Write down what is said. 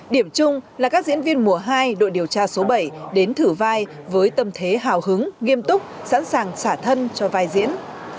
điểm chung là các diễn viên mùa hai đội điều tra số bảy đến thử vai với tâm thế hào hứng nghiêm túc sẵn sàng xả thân cho vai diễn